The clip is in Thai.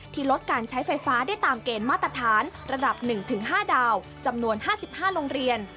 ลดการใช้ไฟฟ้าได้ตามเกณฑ์มาตรฐานระดับ๑๕ดาวจำนวน๕๕โรงเรียน